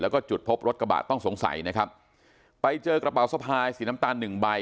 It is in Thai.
แล้วก็จุดพบรถกระบะต้องสงสัยนะครับไปเจอกระเป๋าสะพายสีน้ำตาลหนึ่งใบ